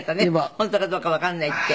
本当かどうかわかんないって。